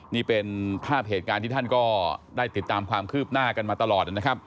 นี่เป็นภาพเหตุการณ์ที่ท่านก็ได้ติดตามความคืบหน้ากันมาตลอดนะครับ